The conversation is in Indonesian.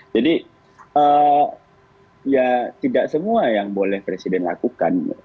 jadi ya tidak semua yang boleh presiden lakukan